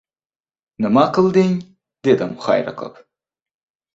— Nima qilding? — dedim hayqirib.